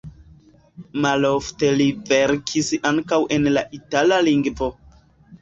Malofte li verkis ankaŭ en la itala lingvo.